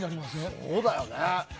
そうだよね。